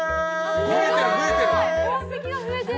宝石が増えてる！